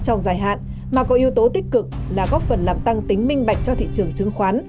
trong dài hạn mà có yếu tố tích cực là góp phần làm tăng tính minh bạch cho thị trường chứng khoán